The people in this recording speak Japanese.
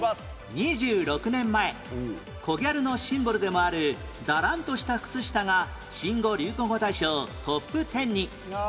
２６年前コギャルのシンボルでもあるだらんとした靴下が新語・流行語大賞トップテンに